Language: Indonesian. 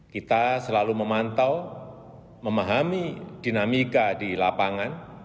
kita selalu memantau memahami dinamika di lapangan